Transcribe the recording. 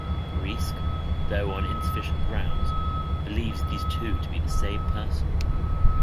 Reiske, though on insufficient grounds, believes these two to be the same person.